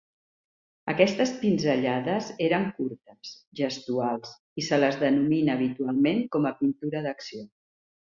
Aquestes pinzellades eren curtes, gestuals i se les denomina habitualment com a pintura d'acció.